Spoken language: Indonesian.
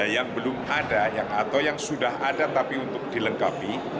yang belum ada atau yang sudah ada tapi untuk dilengkapi